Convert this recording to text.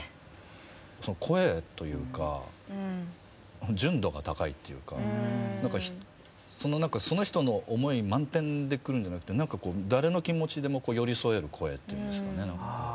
その声というか純度が高いっていうか何かその人の思い満点で来るんじゃなくて誰の気持ちでも寄り添える声っていうんですかね何か。